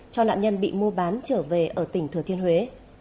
cho nạn nhân bị mua bán trở về ở tỉnh thừa thiên huế